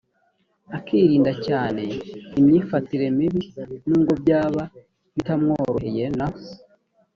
akirinda cyane imyifatire mibi nubwo byaba bitamworoheye na